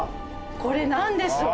これなんでしょう？